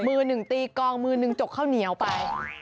มือหนึ่งตีกองมือหนึ่งจกข้าวเหนียวไป